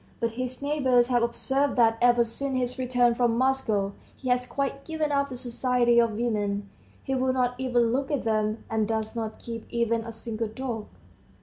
But his neighbors have observed that ever since his return from Moscow he has quite given up the society of women; he will not even look at them, and does not keep even a single dog.